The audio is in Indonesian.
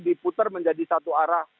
diputar menjadi satu arah